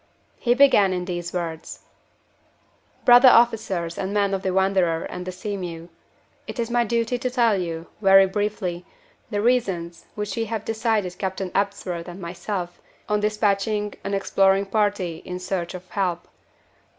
He began in these words: "Brother officers and men of the Wanderer and Sea mew, it is my duty to tell you, very briefly, the reasons which have decided Captain Ebsworth and myself on dispatching an exploring party in search of help.